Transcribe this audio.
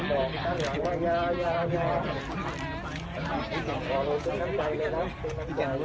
มีผู้ที่ได้รับบาดเจ็บและถูกนำตัวส่งโรงพยาบาลเป็นผู้หญิงวัยกลางคน